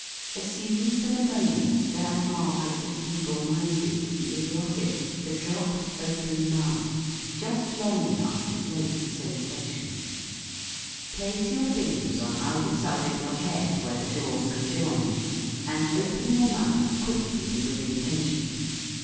Assume for the moment that mark of the feeble minded, the idiotic, the dropped open mouth, just long enough to note the sensa tion. ] Place your fingers on either side of your head where the jaws conjoin, and open 22 LEARNING TO FREE THE TONE your mouth quickly and with intention.